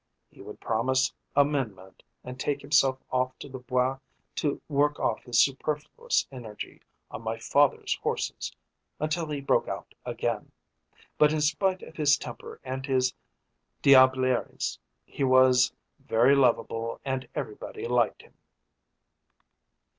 He would promise amendment and take himself off to the Bois to work off his superfluous energy on my father's horses until he broke out again. But in spite of his temper and his diableries he was very lovable and everybody liked him.